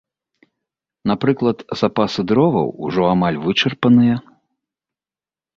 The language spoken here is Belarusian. Напрыклад, запасы дроваў ужо амаль вычарпаныя.